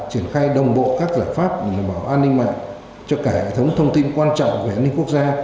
triển khai đồng bộ các giải pháp đảm bảo an ninh mạng cho cả hệ thống thông tin quan trọng về an ninh quốc gia